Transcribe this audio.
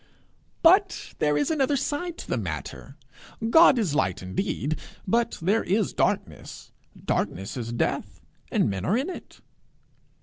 'But there is another side to the matter: God is light indeed, but there is darkness; darkness is death, and men are in it.'